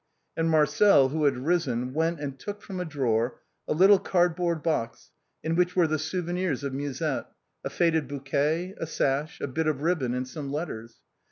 And Marcel, who had risen, went and took from a drawer a little cardboard box in which were the souvenirs of Musette — a faded bouquet, a sash, a bit of ribbon and some letters.